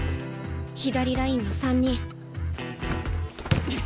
左ラインの３人。